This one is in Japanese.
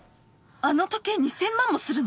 あの時計 ２，０００ 万もするの！？